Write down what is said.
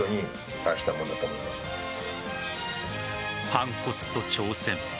反骨と挑戦。